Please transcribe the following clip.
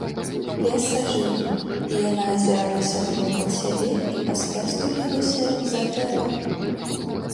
Лес ажыў, і яна азіралася навокал сябе і пасля стулілася за дрэва.